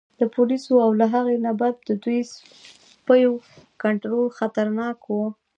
د پولیسو او له هغې نه بد د دوی د سپیو کنترول خطرناک و.